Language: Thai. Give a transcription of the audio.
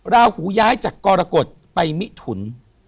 ราหูย้ายจากกรกฎไปมิถุน